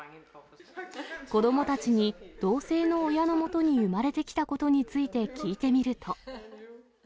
子どもたちに、同性の親のもとに産まれてきたことについて聞いてみると。